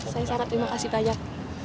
saya sangat terima kasih banyak